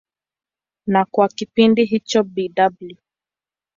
Na kwa kipindi hicho Bw.